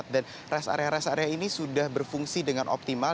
dan res area res area ini sudah berfungsi dengan optimal